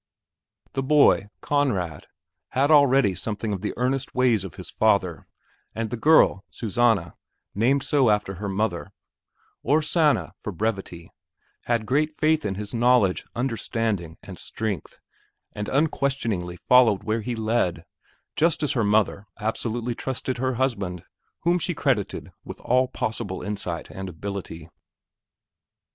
The boy, Conrad, had already something of the earnest ways of his father, and the girl, Susanna, named so after her mother, or Sanna for brevity, had great faith in his knowledge, understanding, and strength, and unquestioningly followed where he led, just as her mother absolutely trusted her husband whom she credited with all possible insight and ability.